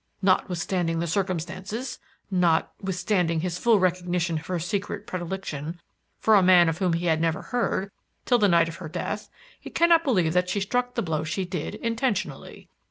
Notwithstanding the circumstances, notwithstanding his full recognition of her secret predilection for a man of whom he had never heard till the night of her death, he cannot believe that she struck the blow she did, intentionally.